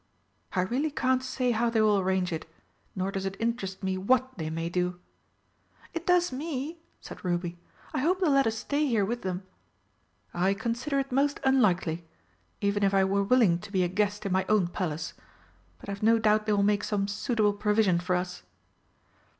"I really can't say how they will arrange it nor does it interest me what they may do." "It does me," said Ruby. "I hope they'll let us stay here with them." "I consider it most unlikely even if I were willing to be a guest in my own Palace. But I've no doubt they will make some suitable provision for us."